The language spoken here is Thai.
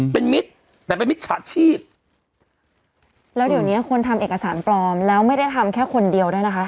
เป็นมิตรแต่เป็นมิจฉาชีพแล้วเดี๋ยวเนี้ยคนทำเอกสารปลอมแล้วไม่ได้ทำแค่คนเดียวด้วยนะคะ